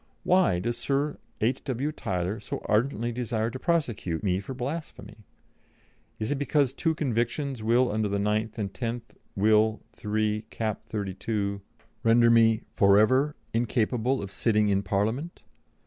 Why does Sir H.W. Tyler so ardently desire to prosecute, me for blasphemy? Is it because two convictions will under the 9th and 10th Will. III. cap. 32, render me 'for ever' incapable of sitting in Parliament?"